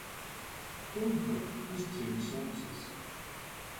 Pyl Brook has two sources.